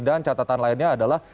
dan catatan lainnya adalah